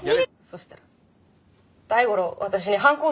そしたら大五郎私に反抗するようになって。